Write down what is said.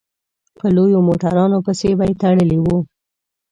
په لویو موټرانو پسې به يې تړلي وو.